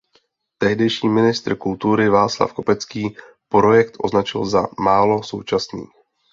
Tehdejší ministr kultury Václav Kopecký projekt označil za „málo současný“.